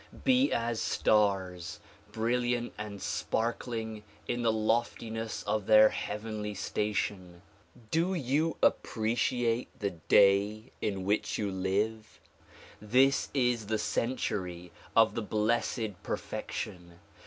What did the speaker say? Be as stars brilliant and sparkling in the loftiness of their heavenly station. Do you appre ciate the Day in which you live ? This is the century of the Blessed Perfection